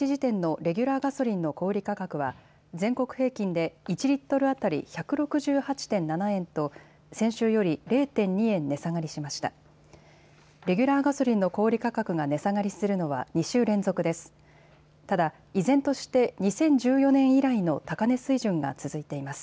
レギュラーガソリンの小売価格が値下がりするのは２週連続です。